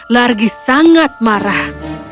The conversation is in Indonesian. largi sangat marah